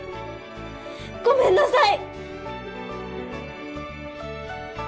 ごめんなさい！